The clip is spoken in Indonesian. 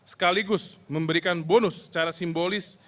sekaligus memberikan bonus secara simbolis